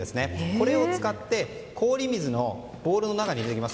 これを使って氷水のボウルの中に入れていきます。